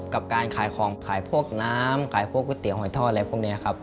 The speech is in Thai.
กับการขายของขายพวกน้ำขายพวกก๋วเตี๋หอยทอดอะไรพวกนี้ครับ